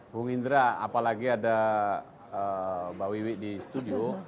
bung indra apalagi ada mbak wiwi di studio